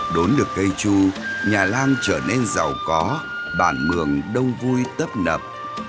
đốn được cây chu nhà lan trở nên giàu có bản mường đông vui tấp nập